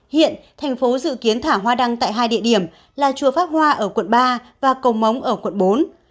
hiện thành phố dự kiến thả hoa đăng tại hai địa điểm là chùa pháp hoa ở quận ba và cầu móng ở quận bốn